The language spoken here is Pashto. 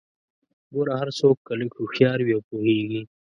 ګوره څوک که لږ هوښيار وي او پوهیږي